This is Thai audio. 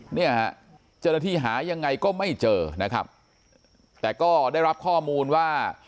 เนี่ยฮะเจ้าหน้าที่หายังไงก็ไม่เจอนะครับแต่ก็ได้รับข้อมูลว่า